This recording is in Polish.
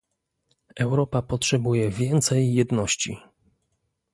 Europa potrzebuje więcej jedności